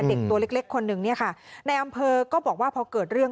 เด็กตัวเล็กเล็กคนหนึ่งเนี่ยค่ะในอำเภอก็บอกว่าพอเกิดเรื่อง